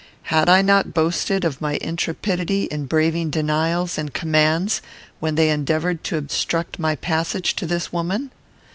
Had I not boasted of my intrepidity in braving denials and commands when they endeavoured to obstruct my passage to this woman?